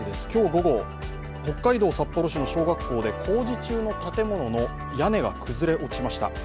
今日午後、北海道札幌市の小学校うで工事中の建物の屋根が崩れました。